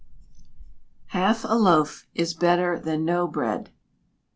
[HALF A LOAF IS BETTER THAN NO BREAD.